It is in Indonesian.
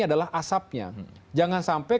adalah asapnya jangan sampai